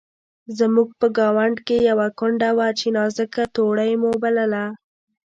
زموږ په ګاونډ کې یوه کونډه وه چې نازکه توړۍ مو بلله.